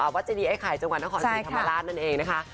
เจดีไอ้ไข่จังหวัดนครศรีธรรมราชนั่นเองนะคะ